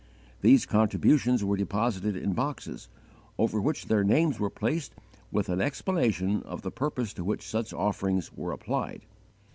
These contributions were deposited in boxes, over which their names were placed with an explanation of the purpose to which such offerings were applied.